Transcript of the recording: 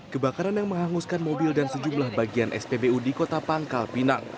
kebakaran yang menghanguskan mobil dan sejumlah bagian spbu di kota pangkal pinang